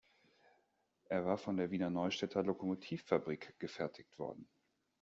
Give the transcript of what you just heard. Er war von der Wiener Neustädter Lokomotivfabrik gefertigt worden.